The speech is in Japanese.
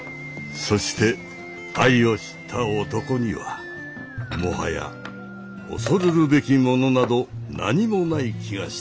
そして愛を知った男にはもはや恐るるべきものなど何もない気がした。